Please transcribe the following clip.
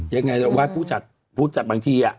ยังไงว่าผู้จัดผู้จัดบางทีอ่ะ